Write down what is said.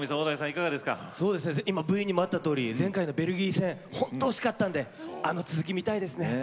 今、Ｖにもあったとおりベルギー戦本当に惜しかったので、あの続き見たいですね。